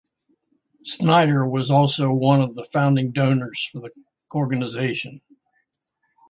Snider was also one of the founding donors for the organization.